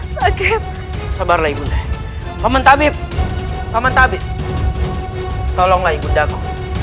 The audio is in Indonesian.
sakit sabarlah ibunda paman tabib paman tabib tolonglah ibundaku